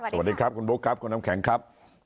สวัสดีครับคุณบุ๊คครับคุณน้ำแข็งครับ